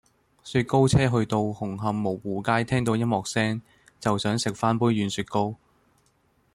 雪糕車去到紅磡蕪湖街聽到音樂聲就想食返杯軟雪糕